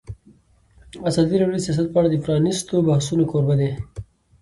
ازادي راډیو د سیاست په اړه د پرانیستو بحثونو کوربه وه.